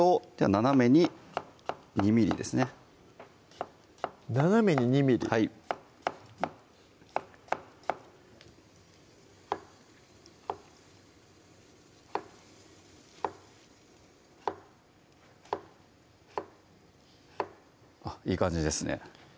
斜めに２ｍｍはいあっいい感じですね